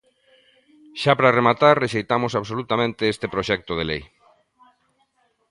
Xa para rematar, rexeitamos absolutamente este proxecto de lei.